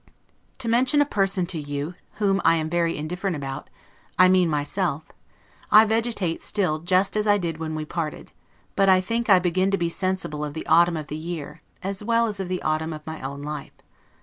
To mention a person to you whom I am very indifferent about, I mean myself, I vegetate still just as I did when we parted; but I think I begin to be sensible of the autumn of the year; as well as of the autumn of my own life.